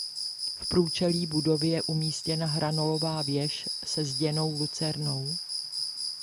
V průčelí budovy je umístěna hranolová věž se zděnou lucernou.